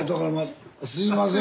すいません。